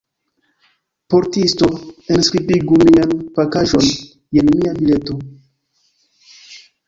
Portisto, enskribigu mian pakaĵon, jen mia bileto.